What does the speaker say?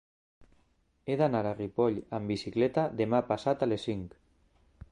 He d'anar a Ripoll amb bicicleta demà passat a les cinc.